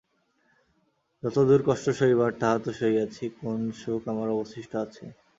যতদূর কষ্ট সহিবার তাহা তো সহিয়াছি, কোন সুখ আমার অবশিষ্ট আছে?